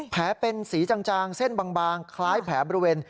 แผลเป็นสีจางเส้นบางคล้ายแผลบริเวณ